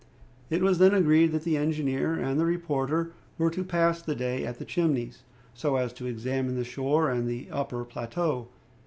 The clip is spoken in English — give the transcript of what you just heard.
It was then agreed that the engineer and the reporter were to pass the day at the Chimneys, so as to examine the shore and the upper plateau.